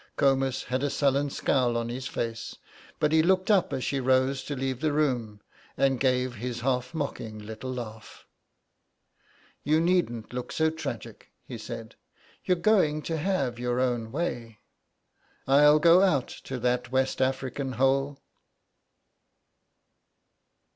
Comus had a sullen scowl on his face, but he looked up as she rose to leave the room, and gave his half mocking little laugh. "You needn't look so tragic," he said, "You're going to have your own way. I'll go out to that West African hole."